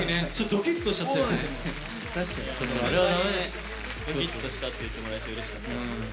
ドキッとしたって言ってもらえてうれしかった。